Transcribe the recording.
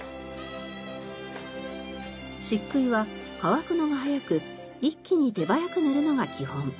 漆喰は乾くのが早く一気に手早く塗るのが基本。